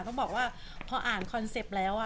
เขาบอกว่าพออ่านคอนเซ็ปต์แล้ว